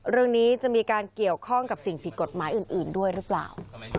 เรื่องนี้จะมีการเกี่ยวข้องกับสิ่งผิดกฎหมายอื่นด้วยหรือเปล่า